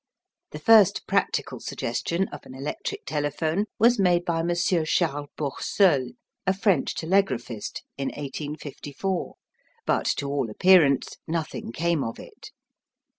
The first practical suggestion of an electric telephone was made by M. Charles Bourseul, a French telegraphist, in 1854, but to all appearance nothing came of it.